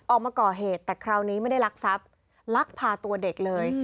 ออกมาก่อเหตุแต่คราวนี้ไม่ได้รักทรัพย์ลักพาตัวเด็กเลย